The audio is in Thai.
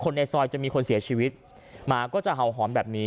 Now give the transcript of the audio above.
ในซอยจะมีคนเสียชีวิตหมาก็จะเห่าหอมแบบนี้